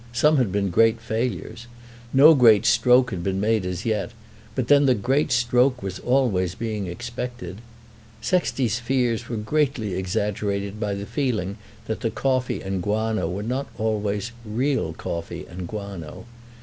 Some had been great failures. No great stroke had been made as yet, but then the great stroke was always being expected. Sexty's fears were greatly exaggerated by the feeling that the coffee and guano were not always real coffee and guano.